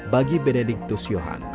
bagi benedictus johan